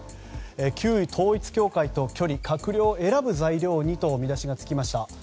旧統一教会と距離閣僚選ぶ材料にと見出しがつきました。